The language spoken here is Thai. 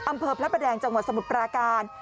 อำเภอพระประแดงจังหวัดสมุทรปราการ